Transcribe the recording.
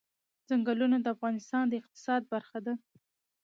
ځنګلونه د افغانستان د اقتصاد برخه ده.